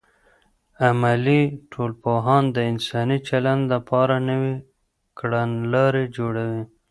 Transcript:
عملي ټولنپوهان د انساني چلند لپاره نوې کړنلارې جوړوي.